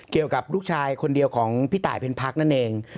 เกี่ยวกับลูกชายคนเดียวของพี่ตายเพลินพรรคนั่นเอง